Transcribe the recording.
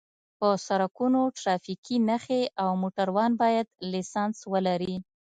په سرکونو ټرافیکي نښې او موټروان باید لېسنس ولري